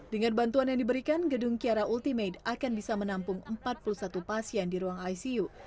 dengan bantuan yang diberikan gedung kiara ultimate akan bisa menampung empat puluh satu pasien di ruang icu